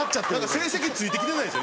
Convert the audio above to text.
成績ついて来てないでしょ